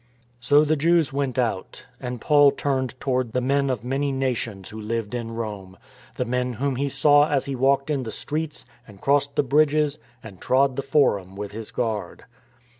So the Jews went out; and Paul turned toward the men of many nations who lived in Rome, the men whom he saw as he walked in the streets and crossed the bridges and trod the Forum with his guard.